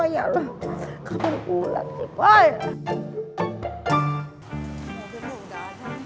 kamu udah pulang sih poya